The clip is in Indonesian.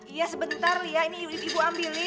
iya sebentar lia ini ibu ambilin